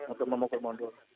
untuk memukul mundur